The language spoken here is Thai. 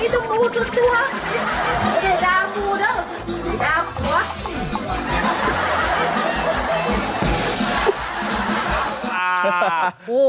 แต่ด่าูภูวู่เถอะแต่ด่าวขว